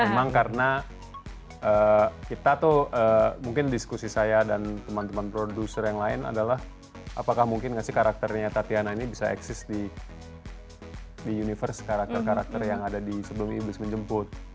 emang karena kita tuh mungkin diskusi saya dan teman teman produser yang lain adalah apakah mungkin gak sih karakternya tatiana ini bisa eksis di universe karakter karakter yang ada di sebelum iblis menjemput